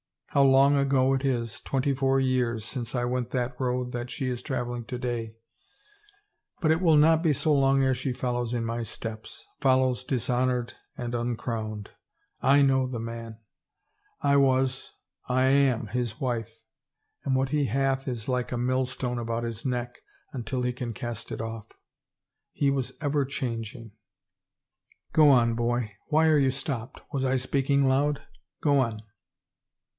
How long ago it is, twenty four years, since I went that road that she is traveling to day — but it will not be so long ere she follows in my steps, follows dishonored and un crowned. / know the man. I was — I am his wife. And what he hath is like a millstone about his neck till he can cast it off. He was ever changing. ... Go on, boy. Why are you stopped? Was I speaking aloud? Go on."